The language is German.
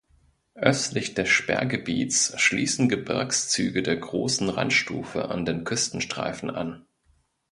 Östlich des Sperrgebiets schließen Gebirgszüge der Großen Randstufe an den Küstenstreifen an.